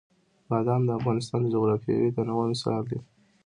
بادام د افغانستان د جغرافیوي تنوع مثال دی.